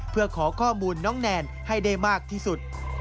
เพื่อขอข้อมูลน้องแนนให้ได้มากที่สุด